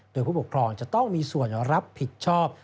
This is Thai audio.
โดยผู้ปกครองจะต้องมีส่วนรับผิดชอบ